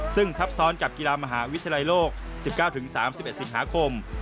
ซึ่งทับซ้อนกับกีฬามหาวิทยาลัยโลก๑๙๓๑สิงหาคม